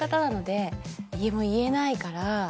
でも言えないから。